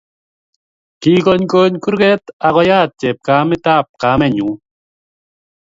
Kikigogony kurget agoyat chepkametitab kamenyu